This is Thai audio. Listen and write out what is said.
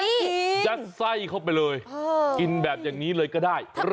ยัดไส้เข้าไปเลยกินแบบอย่างนี้เลยก็ได้